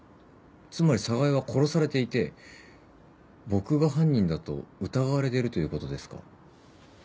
つまり寒河江は殺されていて僕が犯人だと疑われてるということですか？